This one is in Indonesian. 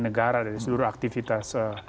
negara dari seluruh aktivitas